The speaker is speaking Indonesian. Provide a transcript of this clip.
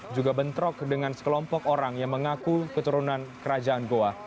juga bentrok dengan sekelompok orang yang mengaku keturunan kerajaan goa